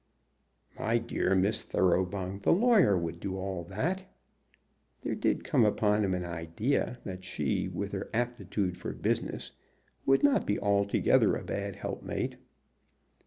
"My dear Miss Thoroughbung, the lawyer would do all that." There did come upon him an idea that she, with her aptitude for business, would not be altogether a bad helpmate.